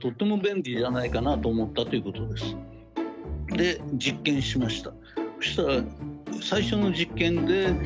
で実験しました。